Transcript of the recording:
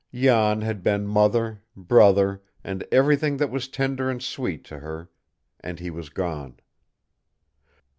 Jan had been mother, brother, and everything that was tender and sweet to her and he was gone.